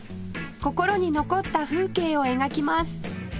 心に残った風景を描きます